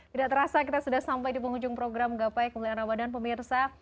tidak terasa kita sudah sampai di penghujung program gapai kemuliaan ramadhan pemirsa